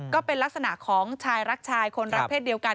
ก็เป็นลักษณะของชายรักชายคนรักเศษเดียวกัน